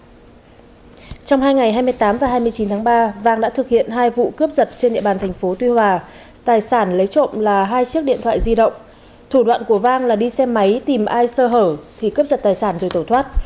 trong hai ngày hai mươi tám và hai mươi chín tháng ba vang đã thực hiện hai vụ cướp giật trên địa bàn thành phố tuy hòa tài sản lấy trộm là hai chiếc điện thoại di động thủ đoạn của vang là đi xe máy tìm ai sơ hở thì cướp giật tài sản rồi tẩu thoát